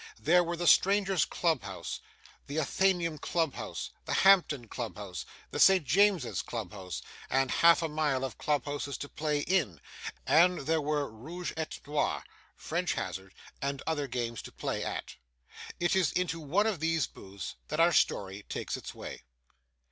There were the Stranger's club house, the Athenaeum club house, the Hampton club house, the St James's club house, and half a mile of club houses to play IN; and there were ROUGE ET NOIR, French hazard, and other games to play AT. It is into one of these booths that our story takes its way.